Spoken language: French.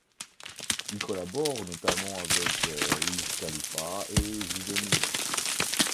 Il collabore notamment avec Wiz Khalifa et Juvenile.